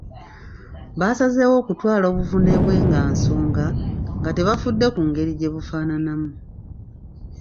Baasazeewo okutwala obuvune bwe nga nsonga nga tebafudde ku ngeri gye bufaananamu.